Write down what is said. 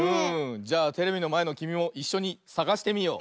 じゃあテレビのまえのきみもいっしょにさがしてみよう！